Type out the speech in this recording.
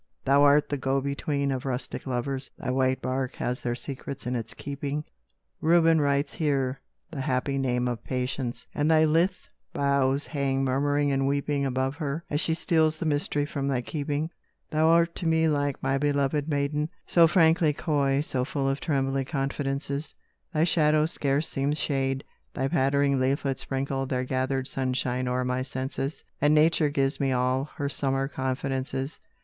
Thou art the go between of rustic lovers; Thy white bark has their secrets in its keeping; Reuben writes here the happy name of Patience, And thy lithe boughs hang murmuring and weeping Above her, as she steals the mystery from thy keeping. Thou art to me like my beloved maiden, So frankly coy, so full of trembly confidences; Thy shadow scarce seems shade, thy pattering leaflets Sprinkle their gathered sunshine o'er my senses, And Nature gives me all her summer confidences.